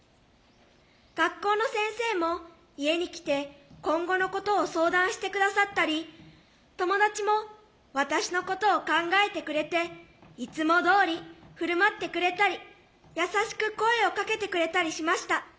学校の先生も家に来て今後のことを相談して下さったり友達も私のことを考えてくれていつもどおり振る舞ってくれたり優しく声をかけてくれたりしました。